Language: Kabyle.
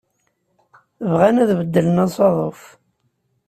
Bɣan ad beddlen asaḍuf.